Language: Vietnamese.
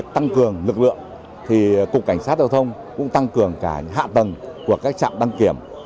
thì cục cảnh sát giao thông cũng tăng cường cả hạ tầng của các trạm đăng kiểm